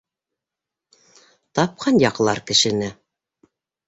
Тапҡан яҡлар кешене!